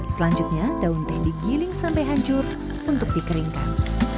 selanjutnya daun teh digiling sampai hancur untuk dikeringkan